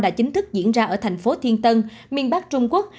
đã chính thức diễn ra ở thành phố thiên tân miền bắc trung quốc